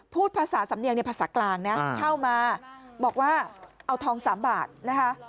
พูดภาษาสำเนียงในภาษากลางนะเข้ามาบอกว่าเอาทอง๓บาทนะคะ